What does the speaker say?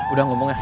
udah ngomong ya